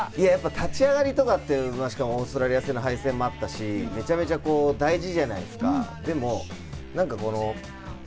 立ち上がりとかって、しかもオーストラリア戦の敗戦もあったし、めちゃめちゃ大事じゃないですか。